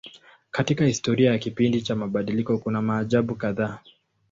Katika historia ya kipindi cha mabadiliko kuna maajabu kadhaa.